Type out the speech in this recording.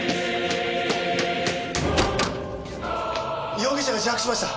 容疑者が自白しました。